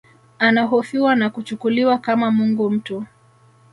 Anahofiwa na kuchukuliwa kama mungu mtu